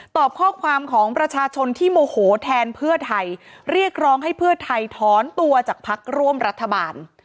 ข้อความของประชาชนที่โมโหแทนเพื่อไทยเรียกร้องให้เพื่อไทยถอนตัวจากพักร่วมรัฐบาล